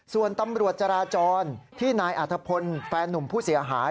ส่วนตำรวจจราจรที่นายอัธพลแฟนนุ่มผู้เสียหาย